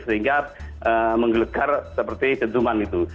sehingga menggelegar seperti dentuman itu